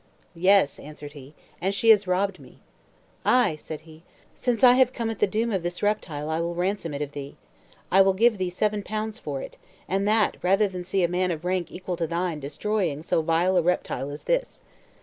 "Yes," answered he, "and she has robbed me." "Ay," said he, "since I have come at the doom of this reptile I will ransom it of thee. I will give thee seven pounds for it, and that rather than see a man of rank equal to thine destroying so vile a reptile as this.